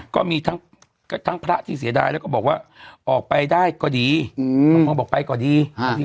ก็มีทั้งพระที่เสียดายแล้วก็บอกว่าออกไปได้ก็ดีบางคนบอกไปก็ดี